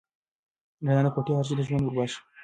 رڼا د کوټې هر شی ته ژوند ور وباښه.